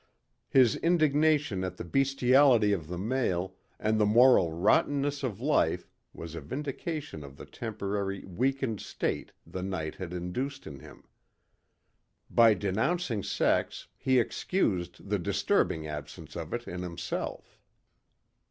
His indignation at the bestiality of the male and the moral rotteness of life was a vindication of the temporary weakened state the night had induced in him. By denouncing sex he excused the disturbing absence of it in himself.